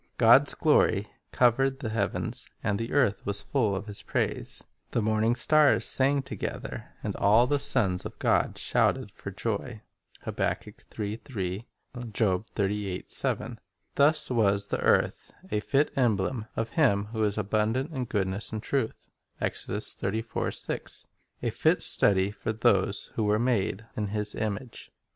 God's glory "covered the heavens, and the earth was full of His praise." "The morning stars sang together, and all the sons of God shouted for joy." 2 Thus was the earth a fit emblem of Him who is "abundant in goodness and truth;" 3 a fit study for those who were made in His image.